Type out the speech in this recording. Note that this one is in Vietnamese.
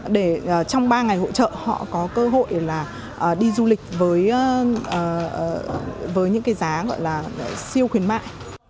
để trong ba ngày hỗ trợ họ có cơ hội đi du lịch với những giá gọi là siêu khuyến mại